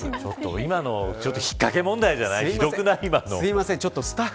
今の引っ掛け問題じゃない。